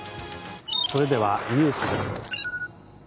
それではニュースです。